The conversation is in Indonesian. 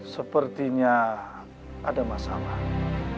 sepertinya ada masalah